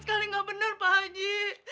ini paling nggak benar pak haji